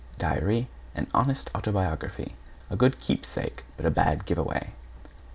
=DIARY= An honest autobiography. A good keepsake, but a bad give away.